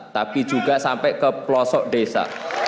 tapi juga sampai ke pelosok desa